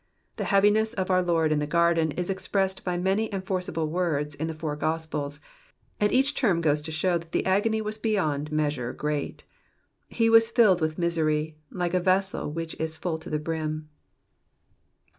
The heaviness of our Lord in the garden is expressed by many and forcible words in the four gospels, and each term goes to show that the agony was beyond measure great ; he was filled with misery, like a vessel which is f'lll to the brim.